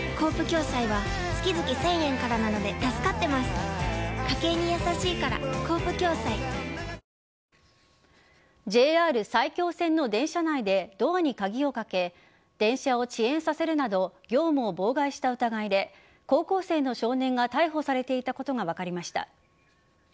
東京国税局は本来納めるべき消費税およそ６億４０００万円のＪＲ埼京線の電車内でドアに鍵をかけ電車を遅延させるなど業務を妨害した疑いで高校生の少年が逮捕されていたことが分かりました。